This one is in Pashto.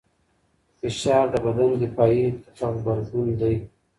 فشار د بدن دفاعي غبرګون دی.